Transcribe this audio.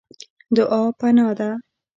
دعا پناه ده.